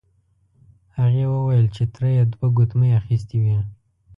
هغې وویل چې تره یې دوه ګوتمۍ اخیستې وې.